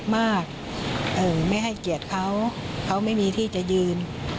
ไม่ให้เกียรติเขาเขาไม่มีที่จะยืน